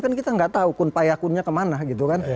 kan kita nggak tahu kun payah kunnya kemana gitu kan